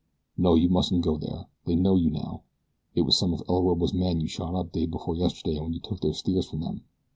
"No, you mustn't go there. They know you now. It was some of El Orobo's men you shot up day before yesterday when you took their steers from them.